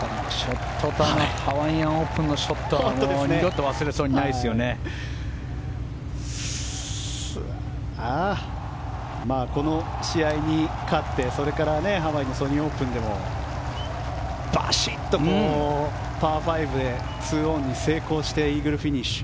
ハワイアンオープンのショットはこの試合に勝ってそれからハワイのソニーオープンでもバシッとパー５で２オンに成功してイーグルフィニッシュ。